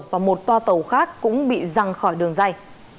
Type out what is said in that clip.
và một toa tàu khác cũng bị răng khỏi đường dây